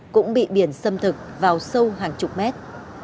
cũng bị biển xâm thực vào sâu hàng chục mét